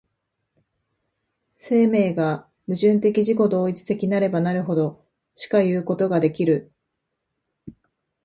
生命が矛盾的自己同一的なればなるほどしかいうことができる。